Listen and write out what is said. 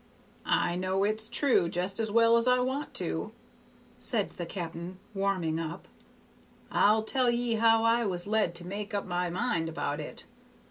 I know it's true jest as well as I want to," said the cap'n, warming up. "I'll tell ye how I was led to make up my mind about it.